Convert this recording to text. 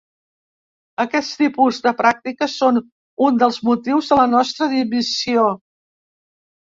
Aquest tipus de pràctiques són un dels motius de la nostra dimissió.